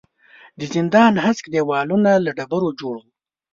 د زندان هسک دېوالونه له ډبرو جوړ وو.